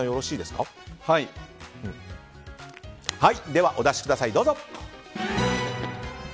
では、お出しください、どうぞ。